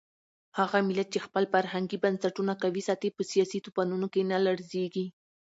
هغه ملت چې خپل فرهنګي بنسټونه قوي ساتي په سیاسي طوفانونو کې نه لړزېږي.